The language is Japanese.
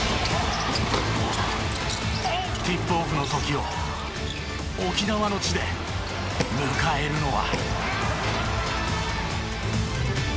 ティップオフの時を沖縄の地で迎えるのは。